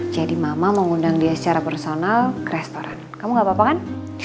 jadi mama mau ngundang dia secara personal ke restoran kamu gak apa apa kan